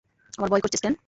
আমার ভয় করছে, স্ট্যান।